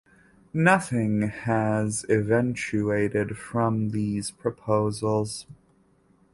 Nothing has eventuated from these proposals.